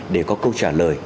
để có câu trả lời